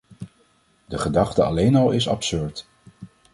De gedachte alleen al is absurd.